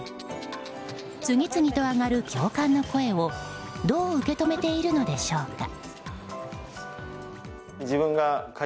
次々と上がる共感の声はどう受け止めているのでしょうか。